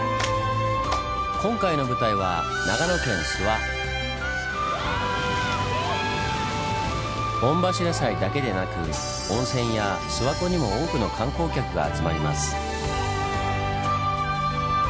今回の舞台は御柱祭だけでなく温泉や諏訪湖にも多くの観光客が集まります。